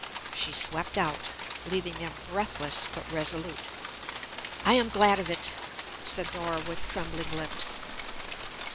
She swept out, leaving them breathless but resolute. "I am glad of it!" said Dora with trembling lips.